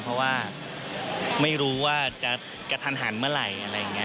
เพราะว่าไม่รู้ว่าจะกระทันหันเมื่อไหร่อะไรอย่างนี้